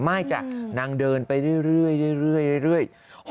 ไม่จ้ะนางเดินไปเรื่อย